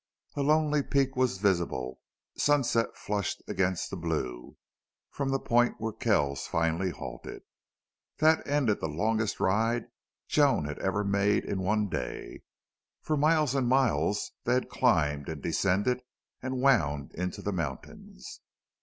A lonely peak was visible, sunset flushed against the blue, from the point where Kells finally halted. That ended the longest ride Joan had ever made in one day. For miles and miles they had climbed and descended and wound into the mountains.